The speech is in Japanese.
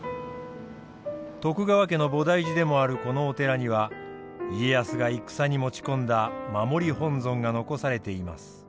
徳川家の菩提寺でもあるこのお寺には家康が戦に持ち込んだ守本尊が残されています。